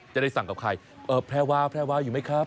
จะได้สั่งกับใครแพรวาแพรวาอยู่ไหมครับ